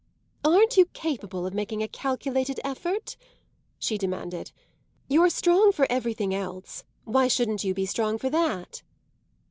"Aren't you capable of making a calculated effort?" she demanded. "You're strong for everything else; why shouldn't you be strong for that?"